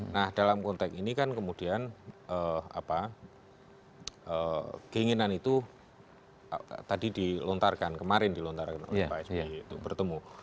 nah dalam konteks ini kan kemudian keinginan itu tadi dilontarkan kemarin dilontarkan oleh pak sby untuk bertemu